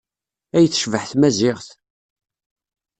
Ay tecbeḥ tmaziɣt!